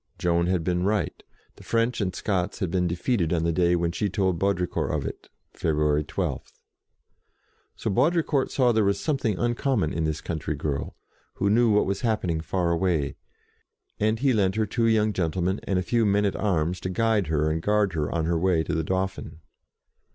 Joan had been right, the French and Scots had been defeated on the day when she told Baudricourt of it, February 12. So Baudricourt saw there was something uncommon in this country girl, who knew NEWS HEARD STRANGELY 25 what was happening far away, and he lent her two young gentlemen and a few men at arms to guide her and guard her on her way to the Dauphin.